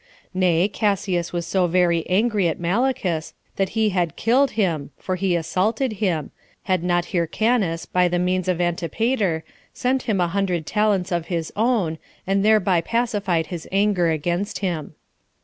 Nay, Cassius was so very angry at Malichus, that he had killed him, [for he assaulted him,] had not Hyrcanus, by the means of Antipater, sent him a hundred talents of his own, and thereby pacified his anger against him.